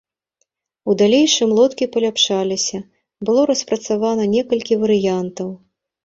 У далейшым лодкі паляпшаліся, было распрацавана некалькі варыянтаў.